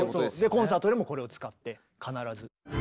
コンサートでもこれを使って必ず。